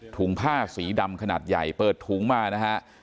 ถุงผ้าสีดำขนาดใหญ่เปิดถุงมานะฮะ